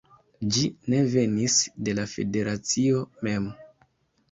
Ĝi ne venis de la federacio mem